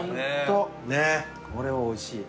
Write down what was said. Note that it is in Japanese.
これおいしい。